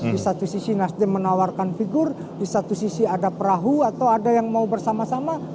di satu sisi nasdem menawarkan figur di satu sisi ada perahu atau ada yang mau bersama sama